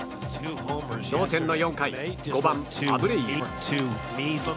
同点の４回５番、アブレイユ。